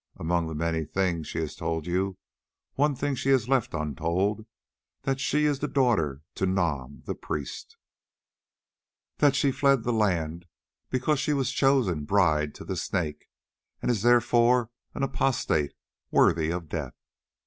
Among the many things she has told you, one thing she has left untold: that she is daughter to Nam the priest; that she fled the land because she was chosen bride to the Snake, and is therefore an apostate worthy of death.